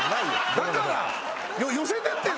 だからか。